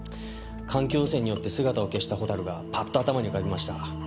環境汚染によって姿を消したホタルがパッと頭に浮かびました。